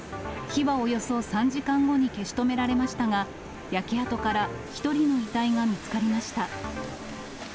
火はおよそ３時間後に消し止められましたが、焼け跡から１人の遺体が見つかりました。